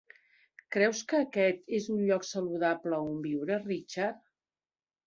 Creus que aquest és un lloc saludable on viure, Richard?